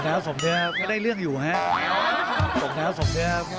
ของผมก็ได้เรื่องอยู่ฮะสมน้ำสมเทียบ